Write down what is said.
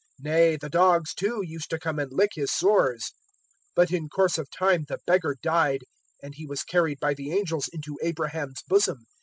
Nay, the dogs, too, used to come and lick his sores. 016:022 "But in course of time the beggar died; and he was carried by the angels into Abraham's bosom.